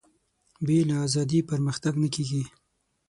بې له ازادي پرمختګ نه کېږي.